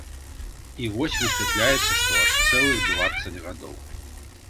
І вось высвятляецца, што аж цэлых дваццаць гадоў!